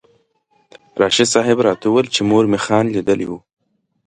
راشد صاحب راته وویل چې مور مې خان لیدلی و.